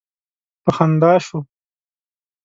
په خندا شو.